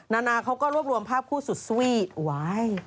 นาเขาก็รวบรวมภาพคู่สุดสุวี่